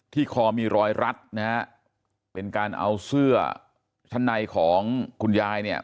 คอมีรอยรัดนะฮะเป็นการเอาเสื้อชั้นในของคุณยายเนี่ย